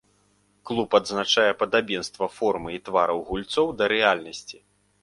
Клуб адзначае падабенства формы і твараў гульцоў да рэальнасці.